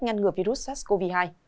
nhanh ngừa virus sars cov hai